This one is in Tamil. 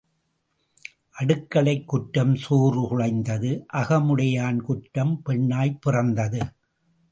அடுக்களைக் குற்றம் சோறு குழைந்தது அகமுடையான் குற்றம் பெண்ணாய்ப் பிறந்தது.